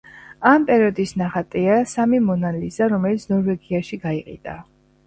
ამ პერიოდის საუკეთესო ნახატია „საამი მონა ლიზა“, რომელიც ნორვეგიაში გაიყიდა.